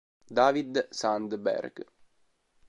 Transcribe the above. David Sandberg